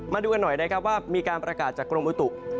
มาดูกันหน่อยนะครับว่ามีการประกาศจากกรมบุตุ